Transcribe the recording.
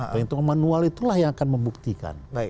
penghitungan manual itulah yang akan membuktikan